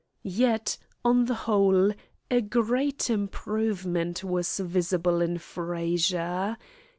Yet, on the whole, a great improvement was visible in Frazer.